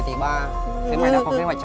thế mày nào có kế hoạch trả lợi chưa